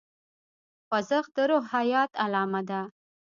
خوځښت د روح د حیات علامه ده.